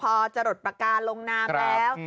พอจะหลดประการลงน้ำแล้ว